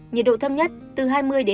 nhiệt độ thâm nhất từ hai mươi hai mươi ba độ